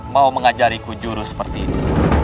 mau mengajariku juru seperti ini